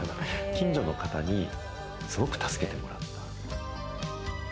近所の方にすごく助けてもらった。